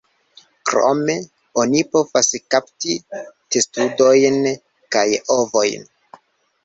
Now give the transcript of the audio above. Krome, oni povas kapti testudojn kaj ovojn.